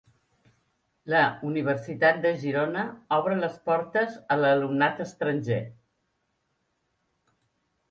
La Universitat de Girona obre les portes a l'alumnat estranger.